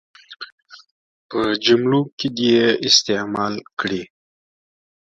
په جملو کې دې یې استعمال کړي.